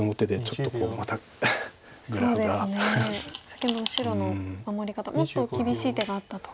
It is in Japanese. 先ほどの白の守り方もっと厳しい手があったと。